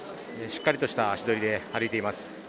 しっかりとした足取りで歩いています。